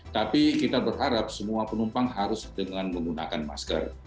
tapi kita berharap semua penumpang harus dengan menggunakan masker